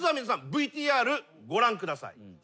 ＶＴＲご覧ください。